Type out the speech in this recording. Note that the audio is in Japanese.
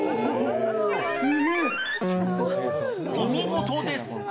お見事です。